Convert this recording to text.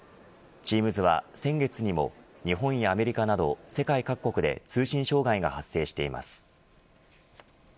Ｔｅａｍｓは先月にも日本やアメリカなど世界各国で通信障害が発生しています。